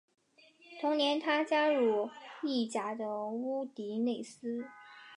同年他加入意甲的乌迪内斯。